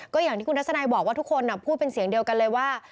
ก็อย่างที่คุณทัศนายบอกว่าทุกคนพูดเป็นเสียงเดียวกันเลยว่า